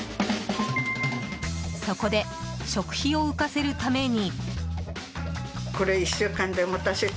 そこで食費を浮かせるために。